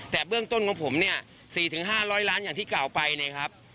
แต่เบื้องต้นของผมเนี้ยสี่ถึงห้าร้อยล้านอย่างที่กล่าวไปเนี้ยครับ